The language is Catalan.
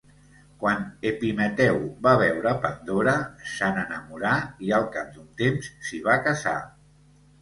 Quan Epimeteu va veure Pandora, se n'enamorà i al cap d'un temps s'hi va casar.